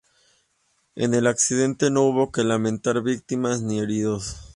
En el accidente no hubo que lamentar víctimas ni heridos.